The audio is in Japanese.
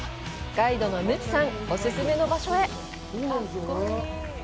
ガイドのムツさん、お勧めの場所へ。